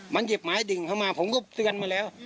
มันหยิบไม้ดิ่งเข้ามาผมก็เตือนมาแล้ว